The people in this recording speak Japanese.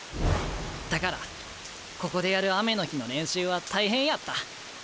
だからここでやる雨の日の練習は大変やった。